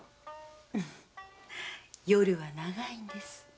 夜は長いんです。